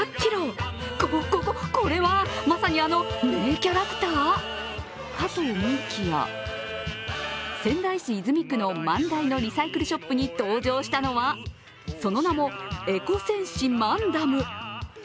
こ、こ、これはまさにあの、名キャラクター？かと思いきや、仙台市泉区万台のリサイクルショップに登場したのはその名もＥＣＯ戦士マンダム。